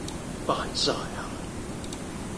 扮曬蟹